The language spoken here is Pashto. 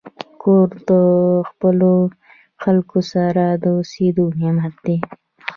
کور د خپلو خلکو سره د اوسېدو نعمت دی.